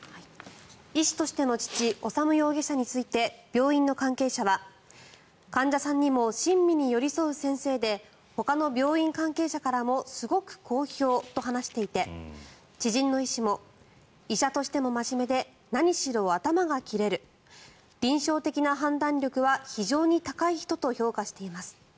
医師としての父・修容疑者について病院の関係者は患者さんにも親身に寄り添う先生でほかの病院関係者からもすごく好評と話していて知人の医師も医者としても真面目で何しろ頭が切れる臨床的な判断力は非常に高い人と評価しています。